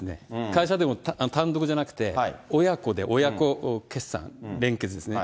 会社でも単独じゃなくて、親子で、親子決算、連結ですね。